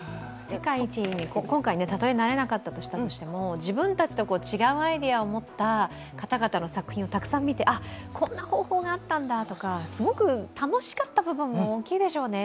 世界一に今回たとえなれなかったとしても自分たちと違うアイデアを持った方々の作品をたくさん見てこんな方法があったんだとかすごく楽しかった部分も大きいでしょうね。